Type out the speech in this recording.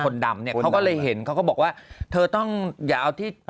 ดำเนี่ยเขาก็เลยเห็นเขาก็บอกว่าเธอต้องอย่าเอาที่